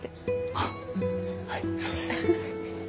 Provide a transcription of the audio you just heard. あっはいそうです。